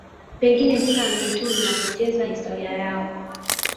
Pengine jina Wanyaturu linapoteza historia yao